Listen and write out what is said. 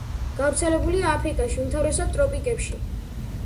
გავრცელებულია აფრიკაში, უმთავრესად ტროპიკებში.